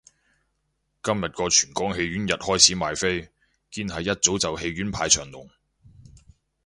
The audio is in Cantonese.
今日個全港戲院日開始賣飛，堅係一早就戲院排長龍